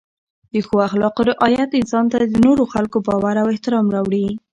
د ښو اخلاقو رعایت انسان ته د نورو خلکو باور او احترام راوړي.